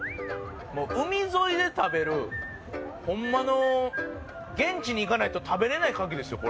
もう海沿いで食べるホンマの現地に行かないと食べれないカキですよ